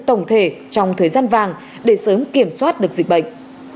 tổng thể trong thời gian vàng để sớm kiểm soát được dịch bệnh